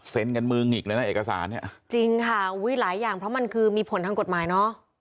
กันมือหงิกเลยนะเอกสารเนี่ยจริงค่ะอุ้ยหลายอย่างเพราะมันคือมีผลทางกฎหมายเนอะ